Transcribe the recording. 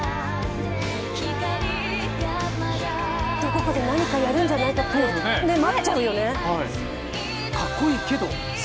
ここで何かやるんじゃないかって待っちゃうよね。